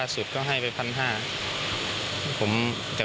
สุดก็ให้ไปพันห้า